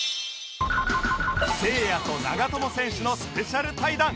せいやと長友選手のスペシャル対談